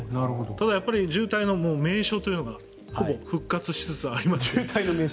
ただ、渋滞の名所というのがほぼ復活しつつありますね。